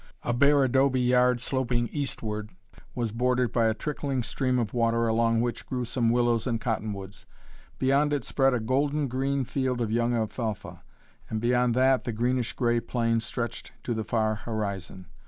A bare adobe yard sloping eastward was bordered by a trickling stream of water along which grew some willows and cottonwoods. Beyond it spread a golden green field of young alfalfa, and beyond that the greenish gray plain stretched to the far horizon.